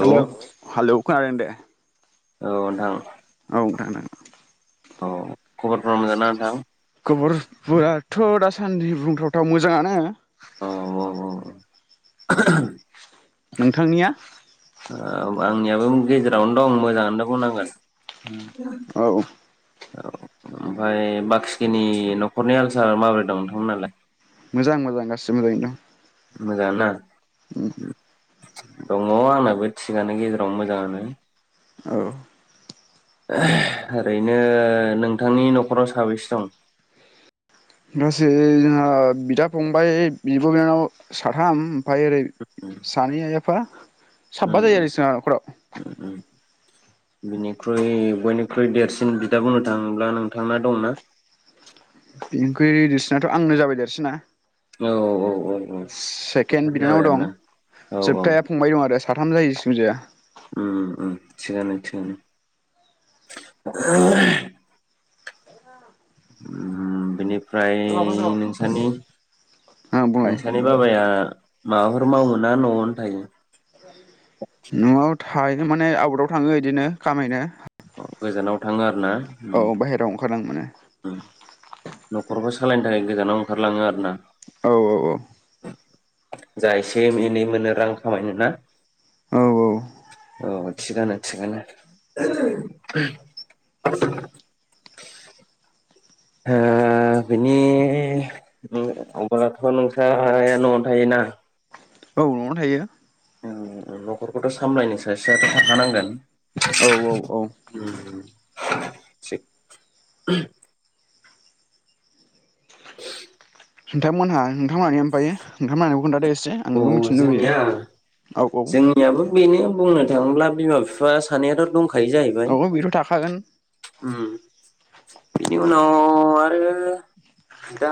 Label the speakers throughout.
Speaker 1: Hello हालौ खोनादों दे।
Speaker 2: औ नोंथां।
Speaker 1: [unintelligible]
Speaker 2: औ खबरफ्रा मोजां ना नोंथां
Speaker 1: दबरस फोराआथ दासान्दि बुंथावथाव मोजाङानो
Speaker 2: औ औ औ।
Speaker 1: नोंथांनिया?
Speaker 2: औ आंनियाबो गेजेरावनो दं मोजाङानो बुंनांगोन।
Speaker 1: औ।
Speaker 2: औ ओमफ्राय बाखिखिनि न'खरनि हाल साल माबोरै दं नोंथांमोनालाय?
Speaker 1: मोजां मोजां गासिबो मोजाङैनो दं।
Speaker 2: मोजां ना?
Speaker 1: ओम।
Speaker 2: दङ आंनाबो थिगानो गेजेराव मोजाङानो।
Speaker 1: औ।
Speaker 2: ओरैनो नोंथांनि न'खराव साबेसे दं?
Speaker 1: गासै जोंहा बिदा फंबाय बिब' बिनानाव साथाम ओमफाय ओरै
Speaker 2: उम
Speaker 1: सानै आइ आफा सबबा जायो
Speaker 2: उम
Speaker 1: आरो जोना नखराव
Speaker 2: उम उम बिनिख्रुइ बयनिख्रुइ देरसिन बिदा बुंनो थाङोब्ला नोंथांना दंना?
Speaker 1: बिनिख्रुइ देरसिनाथ' आंनो जाबाय देरसिना
Speaker 2: औ औ। औ नोंथां
Speaker 1: से-सेकेनड
Speaker 2: जाबाय
Speaker 1: बिनानाव
Speaker 2: आरोना
Speaker 1: दं
Speaker 2: औ औ
Speaker 1: जोबथाया फंबाय दं आरो साथाम जायो [unintelligible] जाया
Speaker 2: उम उम थिगानो थिगानो अम बिनि ओमफ्राय
Speaker 1: ओं
Speaker 2: नोंसानि
Speaker 1: बुंलाय
Speaker 2: नोंसानि बाबाया माबाफोर मावो ना न'आवनो थायो?
Speaker 1: न'आव थायो माने आउटाव थाङो बिदिनो खामायनो।
Speaker 2: औ गोजानाव थाङो। ना
Speaker 1: औ
Speaker 2: ओम।
Speaker 1: [unintelligible] माने
Speaker 2: ओम न'खरफोर सालायनो थाखाय गोजानाव ओंखारलाङो आरो ना।
Speaker 1: औ औ औ
Speaker 2: जा एसे एनै मोनो रां खामायनो ना।
Speaker 1: औ औ
Speaker 2: औ थिगानो थिगानो। ओ बिनि ओम अब्लाथ' नोंस्रा आइया न'आव थायोना?
Speaker 1: न'आवनो थायो।
Speaker 2: ओं न'खरखौथ' सामलायनो सासेयाथ' थाखानांगोन
Speaker 1: औ औ
Speaker 2: [unintelligible] उम। [unintelligible]
Speaker 1: नोंथांमोनहा नोंथांमोनहानि ओमफाय नोंथांमोनहानिखौ खोनथादो एस
Speaker 2: औ जोंनिया
Speaker 1: औ औ
Speaker 2: जोंनियाबो बेनो बुंनो थाङोब्ला बिमा बिफा सानैायाथ दंङ
Speaker 1: औ बिथ' थाखागोन।
Speaker 2: उम बिनि उनाव आरो बिदा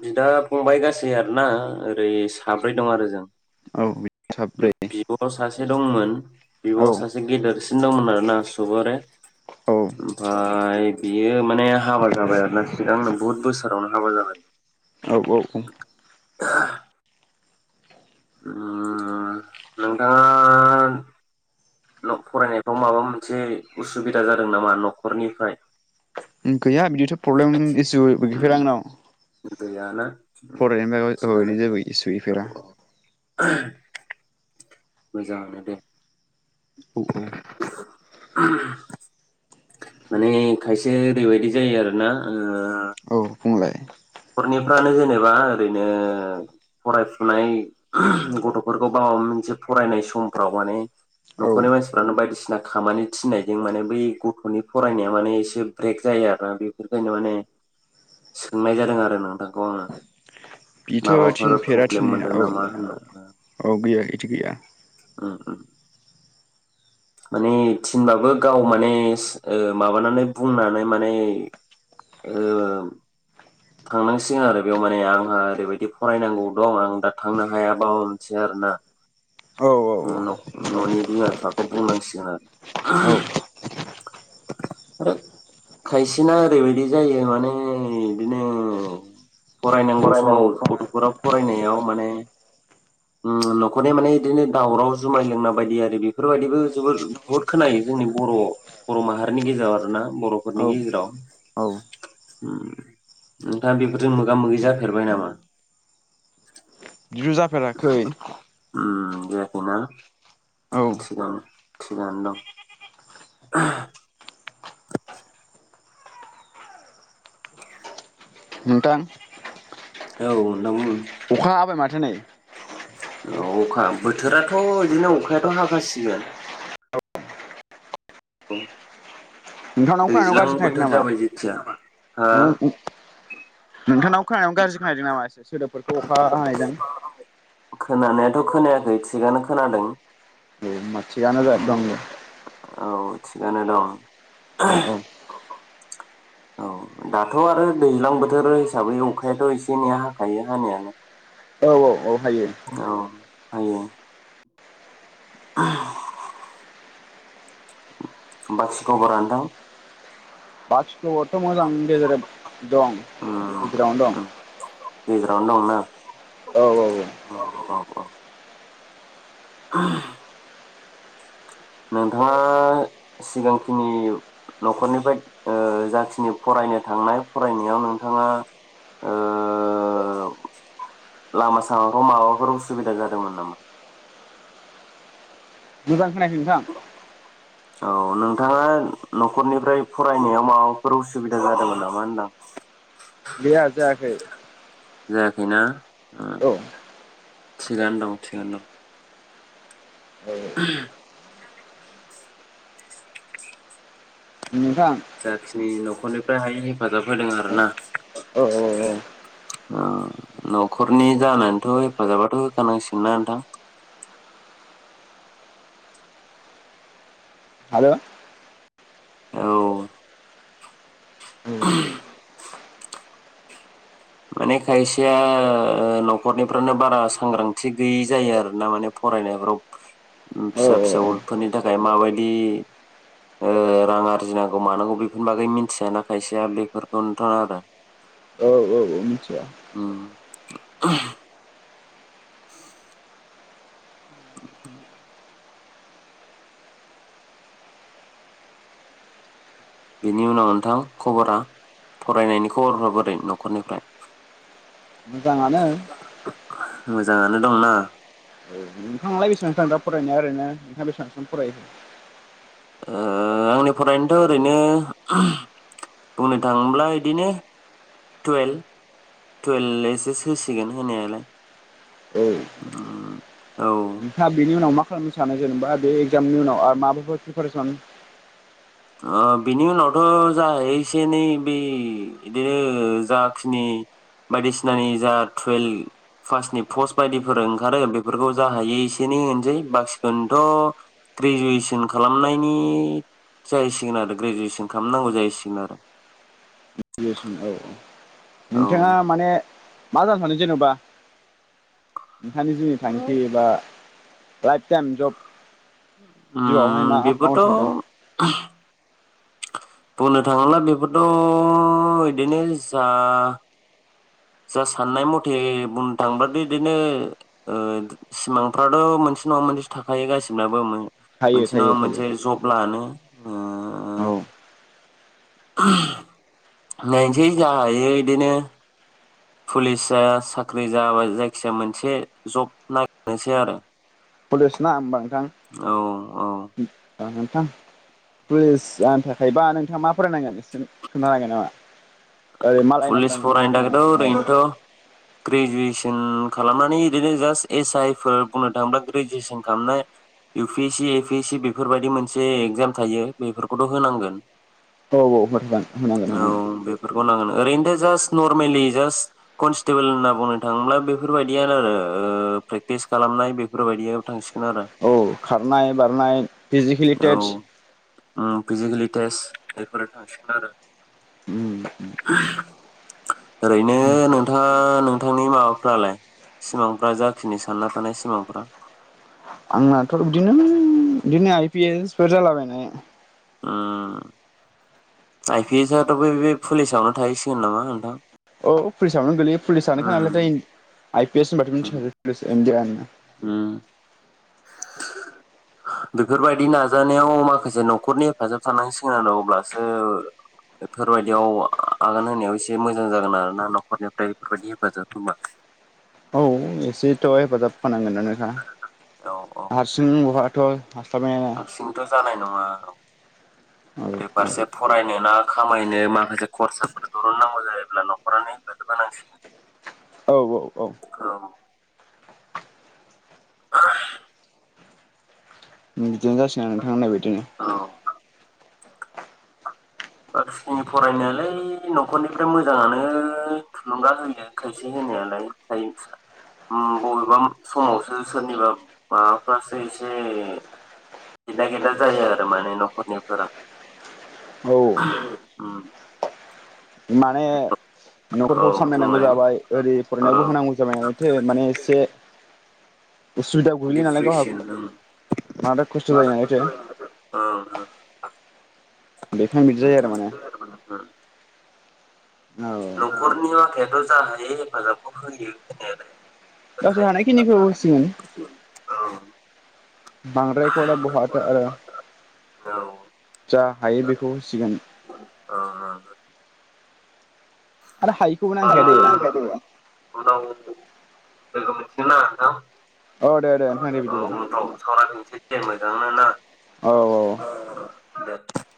Speaker 2: बिदा फंबाय गासै आरोना ओरै साब साब्रै दं आरो जों
Speaker 1: औ साब्रै
Speaker 2: बिब' सासे दंमोन
Speaker 1: औ
Speaker 2: बिब'आ सासे गेदेरसि [unintelligible] ओमफा ओमफ्राय बियो माने हाबा जाबाय आरोना सिगांनो बुहुद बोसोरावनो हाबा जाबाय।
Speaker 1: औ औ औ
Speaker 2: उम नोंथां आ फरायनायफ्राव माबा मोनसे उसुबिदा जादों नामा नखरनिफ्राय?
Speaker 1: फ्रब्लेम इसुबो गैफेरा आंनाव
Speaker 2: गैयाना
Speaker 1: फरायनायनि बागाव अ
Speaker 2: थिगानो
Speaker 1: इदि जेबो इसु
Speaker 2: औ
Speaker 1: गैफेरा
Speaker 2: [inaudible] मोजाङानो दे।
Speaker 1: औ औ
Speaker 2: [inaudible] माने खायसे ओरैबायदि जायो आरोना ओ
Speaker 1: औ बुंलाय।
Speaker 2: खरनिफ्रानो जेनेबा ओरैनो फरायफुनाय गथ'फोरखौ बावा मोनसे फरायनाय समफ्राव माने
Speaker 1: औ
Speaker 2: नखरनि मानसिफ्रानो बायदिसिना खामानि थिननायजों माने बै गथ'नि फरायनाया माने एसे ब्रेक जायो आरोना बेफोरखायनो माने सोंनाय जाद दों आरो नोंथां।
Speaker 1: बिथ' थिनफेरा
Speaker 2: प्रब्लेम
Speaker 1: थिननाया
Speaker 2: मोनदों
Speaker 1: औ
Speaker 2: नामा होनना
Speaker 1: औ गैया इदि गैया।
Speaker 2: उम माने थिनबाबो गाव माने एस ओ माबानानै बुंनानै माने ओम थांनांसि आरो बेयाव माने आंहा ओरैबायदि फरायनांगौ दं आं दा थांनो हायाबाबो मोनसे आरोना।
Speaker 1: औ औ
Speaker 2: नक ननि‌ बिमा बिफाखौ बुंनांसिगोन आरो
Speaker 1: औ
Speaker 2: ओहोम आरो खायसेना ओरैबायदि जायो माने बिनो फरायनांगौ समाव गथ'फोरा फरायनायाव माने उम नखरनि माने इदिनो दावराव जुमाय लोंना बायदि आरि बेफोरबायदिबो जोबोद बुहुद खोनायो जोंनि बर'-बर' माहारिनि गेजेराव आरोना बरफोरनि
Speaker 1: औ
Speaker 2: गेजेराव
Speaker 1: औ
Speaker 2: उम। नोथांङा बेफोरजों मोगा मोगि जाफेरबाय नामा?
Speaker 1: जु जाफेराखै।
Speaker 2: जायाखो ना
Speaker 1: औ
Speaker 2: थिगानो थिगानो दं। [inaudible]
Speaker 1: नोंथां
Speaker 2: औ नोंथां बु
Speaker 1: अखा हाबाय माथो नै।
Speaker 2: औ अखा बोथोराथ' इदिनो अखायाथ' हाखासिगोन । औ।
Speaker 1: नोथांनाव खोनानायाव गाज्रि खोनाहैदों नामा
Speaker 2: हा
Speaker 1: नों उम नोंथांनाव खोनानायाव गाज्रि खोनाहैदों नामा एसे सो सोदोब? फोरखौ अखा हानायजों
Speaker 2: खोनानायाथ' खोनायाखै थिगानो खोनादों।
Speaker 1: मा थिगानो जायाग दं।
Speaker 2: औ थिगानो दं
Speaker 1: औ
Speaker 2: औ दाथ' आरो दैज्लां बोथोर हिसाबै अखायाथ' एसे एनेैया हाखायो। आनियानों।
Speaker 1: औ औ औ। हायो
Speaker 2: औ। आयो। [inaudible] बाखा खबरा नोथां
Speaker 1: बाथि [unintelligible] दं गेजेरावनो
Speaker 2: उम
Speaker 1: दं।
Speaker 2: उम गेजेरावनो दंना
Speaker 1: औ औ औ
Speaker 2: औ औ [unintelligible] नोंथाङा सिगांखिनि नखरनिफ्राय ओ जाखिनि फरायनो थांनाय फरायनायाव नोंथाङा ओ, लामा सामाफ्राव माबाफोर उसुबिदा जादोंमोन नामा?
Speaker 1: बिबान होनाय नोंथां
Speaker 2: औ नोंथाङा न'खरनिफ्राय फरायनायाव माबाफोर उसुबिदा जादोंमोन नामा होनदां
Speaker 1: गैया जायाखै
Speaker 2: बिना उम
Speaker 1: औ औ
Speaker 2: थिगानो दं थिगानो दं [unintelligible]
Speaker 1: नोंथां
Speaker 2: जाखिनि न खरनिफ्राय हायो हेफाजाब होदों आरो ना।
Speaker 1: औ औ औ
Speaker 2: ओ नखरनि जानानैथ हेफाजाबाथ होखानांसिगोनना नोंथां
Speaker 1: [unintelligible]
Speaker 2: औ [unintelligible] माने खायसेया ओ नखरनिफ्रानो बारा सांग्रांथि गैयि जायो आरोना माने फरायनायफ्राव, ओ
Speaker 1: औ
Speaker 2: फिसा फिसा [unintelligible] फोरनि थाखाय माबायदि ओ रां आरजिनांगौ मानांगौ बेफोरनि बागै मिथियाना खायसेया बेफोरखौनोथ' आरो
Speaker 1: औ औ मिथिया
Speaker 2: उम [unintelligible] [inaudible] [unintelligible] बेनि उनाव नोंथां खबरा फरायनायनि खबरफोरा बोरै नखरनिफ्राय
Speaker 1: मोजाङानो
Speaker 2: मोजाङानो दंना?
Speaker 1: नोंथाङालाय बेसेबांसो फरायनाय ओरैनो नोंथाङा बेसेबांसिम फरायखो?
Speaker 2: ओ आंनि फरायनोथ' ओरैनो बुंनो थाङोब्ला इदिनो टुवेल्भ टुवेल्भ ओइस एस होसिगोन होनायालाय
Speaker 1: औ
Speaker 2: औ
Speaker 1: नोंथाङा बेनि उनाव मा खालामनो सानो जेनेबा बे एगजामनि उनाव आरो बाबाफोर प्रिपेचन
Speaker 2: ओ बिनि उनावथ' जाहायो एसे एनै बे बिदो जाखिनि बायदिसिनानि जा टुवेल्भ पासनि पस्ट बायदिफोर ओंखारो बेफोरखौ जा हायै एसेनै होनसै बाखिखौनोथ' ग्रेजुवेसन खालामनायनि जाहैसिगोन आरो ग्रेजुवेसन खालामनांगौ जाहैसिगोन आरो।
Speaker 1: औ औ
Speaker 2: औ
Speaker 1: नोंथाङा माने मा जानो सानो जेनेबा नोंथांनि जिवनि थांखि एबा लाइफ टाइम जब जिउआवहाय
Speaker 2: उम
Speaker 1: मा मावनो
Speaker 2: बिफोरथ'
Speaker 1: सानदों
Speaker 2: बुंनो थाङोब्ला बेफोरथ', इदिनो जा [inaudible] जा साननाय मथे बुंनो थाङब्लाथ' बिदिनो सिमांफ्रानो मोनसे नङा मोनसे थाखायो गासिबोनाबो।
Speaker 1: थायो
Speaker 2: मोनसे नङा
Speaker 1: थायो थायो
Speaker 2: मोनसे जब लानो ओ
Speaker 1: औ
Speaker 2: [unintelligible] नायनोसै जाहयो बिदिनो पुलिस जा साख्रि जा बा जायखिजाया मोनसे जब नागिरनोसै आरो
Speaker 1: पुलिस ना होमबा नोंथां
Speaker 2: औ औ
Speaker 1: [unintelligible] नोंथां पुलिस जानो थाखायबा नोंथाङा मा फरायनांगोन एसे खोन्थानो हागोन नामा? ओरै मा लाइनाव
Speaker 2: पुलिस
Speaker 1: फरायनांगोन मा
Speaker 2: फरायनो थाखायाथ
Speaker 1: खालामनांगोन
Speaker 2: ओरैनोथ ग्रेजुयेस [unintelligible] खालामनानै इदिनो जास्ट एस- आइ फोर बुंनो थाङोब्ला ग्रेजुवेसन खालामनाय U P- S- C A -P -S -C बेफोरबायदि मोनसे एगजाम थायो बेफोरखौथ' होनांगोन।
Speaker 1: औ औ [unintelligible] होनांगोन
Speaker 2: औ
Speaker 1: ओम ओम।
Speaker 2: बेफोरखौ नांगोन ओरैनोथ' जास्ट नरमेलि जास्ट कनस्टेबोल होनना बुंनो थाङोब्ला बेफोरबायदियानो आरो प्रेक्टिस खालामनाय बेफोरबायदियाव थांसिगोन आरो
Speaker 1: औ खारनाय बारनाय फिजिकेलि टेच
Speaker 2: ओम फिजिकेलि टेस्ट बेफोरो थांसिगोन आरो
Speaker 1: उम
Speaker 2: ओरैनो नोंथाङा नोंथांनि माबाफ्रालाय सिमांफ्रा जाखिनि सानना थानाय सिमांफ्रा
Speaker 1: आंनाथ' बिदिनो बिदिनो आइ पि एसफोर जालाबायनाय
Speaker 2: ओम। आइ पि एस आथ' बै बे पुलिसावनो थाहैसिगोन नामा नोंथां
Speaker 1: औ फुलिसावनो गोलैयो पुलिसानोखा
Speaker 2: उम
Speaker 1: [unintelligible] आइ पि एस होनबाथ'
Speaker 2: उम
Speaker 1: मिथिखायो [unintelligible]
Speaker 2: उम। बेफोरबायदि नाजानायाव माखासे न'खरनि हेफाजाब थानांसिगोन आरो अब्लासो बेफोरबायदियाव आगान होनायाव एसे मोजां जागोन आरोना न'खरनिफ्राय बेफोरबायदि हेफाजाब होबा।
Speaker 1: औ एसेथ' हेफाजाब होखानांगोन नोंहा। हारसिं बहा थ'
Speaker 2: हारसिं खामायनो
Speaker 1: औ
Speaker 2: माखासे खरसाफोर दरुन नांगौ जायोब्ला न'खरानि हेफाजाब नांसिगोन
Speaker 1: औ औ औ।
Speaker 2: [inaudible]
Speaker 1: बिदिनो जासिगोन नोंथां होननाय बायदिनो।
Speaker 2: औ बाखिखिनि फरायनायालाय न'खरनिफ्राय मोजाङानो थुलुंगा होयो खायसे होनायालाय बबेबा समावसो सोरनिबा माबाफ्रासो एसे गेददा गेददा जायो आरो माने न'खरनिफोरा
Speaker 1: औ
Speaker 2: ओह ओम
Speaker 1: माने न'खरखौ सामलायनांगौ
Speaker 2: बुंलाय
Speaker 1: जाबाय ओरै फरायनायावबो
Speaker 2: औ
Speaker 1: होनांगौ जाबाय इथि माने एसे उसुबिदा गोग्लैयो नालाय गावहा
Speaker 2: दिप्रेसन
Speaker 1: माराद खस्थ' जायो नालायथो
Speaker 2: [unintelligible]
Speaker 1: बेखायनो बिदि जायो आरो माने औ
Speaker 2: नखरनिया [unintelligible] गाहायै हेफाजाबखौ होयो होनायालाय
Speaker 1: गावसोर हानायखिनिखौ
Speaker 2: होखायो
Speaker 1: होसिगोन
Speaker 2: ओं
Speaker 1: बांद्रायखौलाय बहाथो आरो
Speaker 2: औ ओं
Speaker 1: जा बेखौ होसिगोन
Speaker 2: ओं
Speaker 1: आरो हायिखौबो नांखाया दे
Speaker 2: [unintelligible] उनाव लोगो मोनसिगोन ना नोथां
Speaker 1: औ दे दे नोंथां दे
Speaker 2: औ
Speaker 1: बिदिबा
Speaker 2: उनफ्राव सावरायफिनसै दे मोजांनो ना
Speaker 1: औ औ
Speaker 2: ओ ओ। [inaudible]